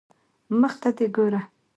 مخ ته دي ګوره